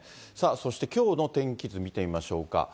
そしてきょうの天気図見てみましょうか。